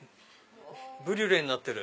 ブリュレになってる。